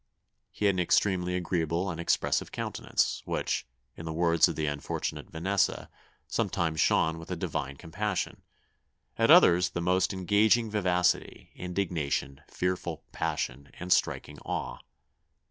He had an extremely agreeable and expressive countenance, which, in the words of the unfortunate Vanessa, sometimes shone with a divine compassion, at others, the most engaging vivacity, indignation, fearful passion, and striking awe.